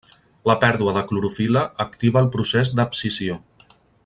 La pèrdua de clorofil·la activa el procés d'abscisió.